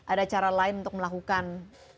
ada cara lain untuk melakukan